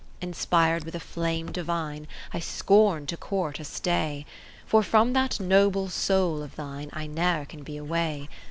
V Inspired with a flame divine^ I scorn to court a stay ; For from that noble soul of thine I ne'er can be away.